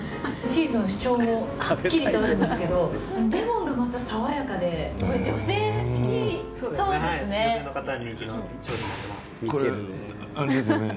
チーズの主張もはっきりとあるんですけどレモンがまた爽やかでこれ女性が好きそうですね。